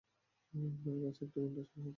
আপনার কাছে এক ঘন্টা সময় আছে।